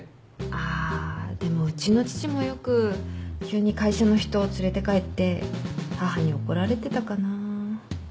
あでもうちの父もよく急に会社の人連れて帰って母に怒られてたかな。